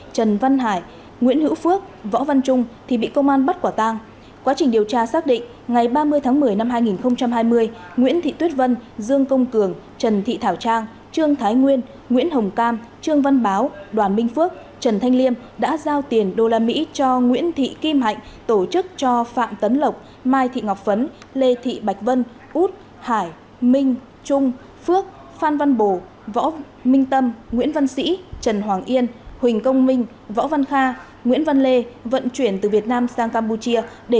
trong quá trình điều tra xác định ngày ba mươi tháng một mươi năm hai nghìn hai mươi nguyễn thị tuyết vân dương công cường trần thị thảo trang trương thái nguyên nguyễn hồng cam trương văn báo đoàn minh phước trần thanh liêm đã giao tiền đô la mỹ cho nguyễn thị kim hạnh tổ chức cho phạm tấn lộc mai thị ngọc phấn lê thị bạch vân út hải minh trung phước phan văn bồ võ minh tâm nguyễn văn sĩ trần hoàng yên huỳnh công minh võ văn kha nguyễn văn lê vận chuyển từ việt nam sang campuchia